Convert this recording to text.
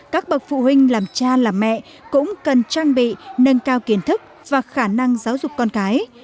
các bậc phụ huynh làm cha làm mẹ cũng cần trang bị nâng cao kiến thức và khả năng giáo dục con cái